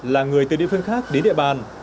là người từ địa phương khác đến địa bàn